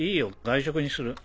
外食にする。